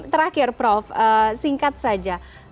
terakhir prof singkat saja